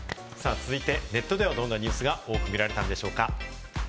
続いてネットではどんなニュースが多く見られたんでしょうか？